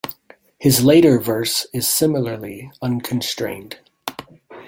His later verse is similarly unconstrained.